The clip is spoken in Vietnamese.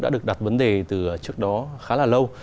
đã được đặt vấn đề từ trước đó khá là lâu